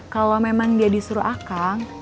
kalau memang dia disuruh akang